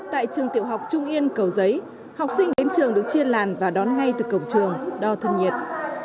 tại trường tiểu học trung yên cầu giấy học sinh đến trường được chia làn và đón ngay từ cổng trường đo thân nhiệt